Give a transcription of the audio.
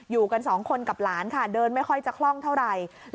อยู่กันสองคนกับหลานค่ะเดินไม่ค่อยจะคล่องเท่าไหร่